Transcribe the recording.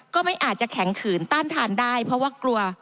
ก็ไม่อาจจะแข็งขืนต้านทานได้เพราะว่ากลัว